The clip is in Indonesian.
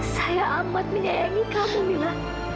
saya amat menyayangi kamu mila